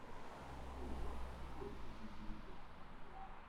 Chiedo che su questo vigili don Stanislao